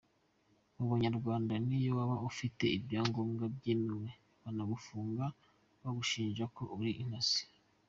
“ Ku Banyarwanda niyo waba ufite ibyangombwa byemewe, baragufunga bagushinja ko uri intasi.